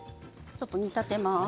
ちょっと煮立てます。